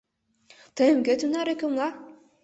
Тыйым кӧ тунар ӧкымла?